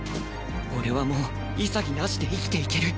俺はもう潔なしで生きていける